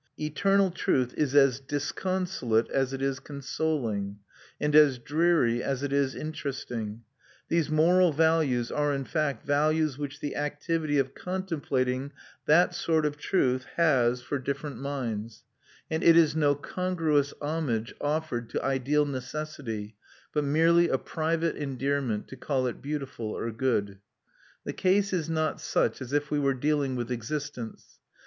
Eternal truth is as disconsolate as it is consoling, and as dreary as it is interesting: these moral values are, in fact, values which the activity of contemplating that sort of truth has for different minds; and it is no congruous homage offered to ideal necessity, but merely a private endearment, to call it beautiful or good. The case is not such as if we were dealing with existence.